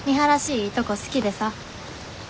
いいとこ好きでさ。